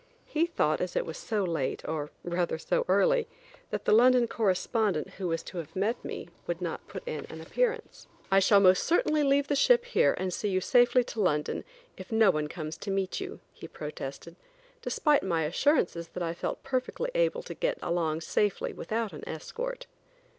He thought as it was so late, or rather so early, that the London correspondent, who was to have met me, would not put in an appearance. "I shall most certainly leave the ship here and see you safely to London, if no one comes to meet you," he protested, despite my assurances that I felt perfectly able to get along safely without an escort.